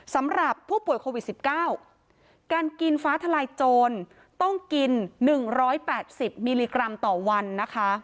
สำหรับผู้ป่วยโควิด๑๙การกินฟ้าทลายโจรต้องกิน๑๘๐มิลลิกรัมต่อวันนะคะ